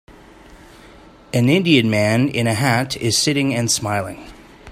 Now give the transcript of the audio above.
An Indian man in a hat is sitting and smiling.